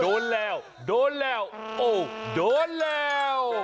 โดนแล้วโดนแล้วโอ้โดนแล้ว